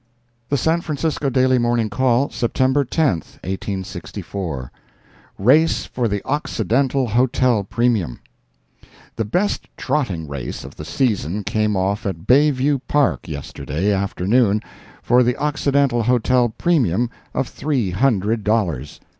The San Francisco Daily Morning Call, September 10, 1864 RACE FOR THE OCCIDENTAL HOTEL PREMIUM The best trotting race of the season came off at Bay View Park yesterday afternoon, for the Occidental Hotel premium of three hundred dollars.